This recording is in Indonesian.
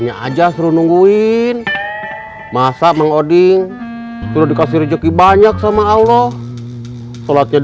nya aja perlu nungguin masa mengoding sudah dikasih rezeki banyak sama allah sholatnya